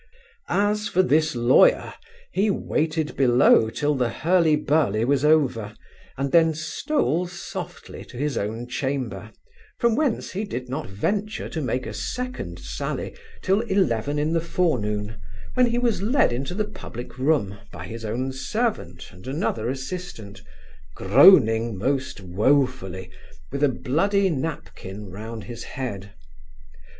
As for this lawyer, he waited below till the hurly burly was over, and then stole softly to his own chamber, from whence he did not venture to make a second sally till eleven in the forenoon, when he was led into the Public Room, by his own servant and another assistant, groaning most woefully, with a bloody napkin round his head.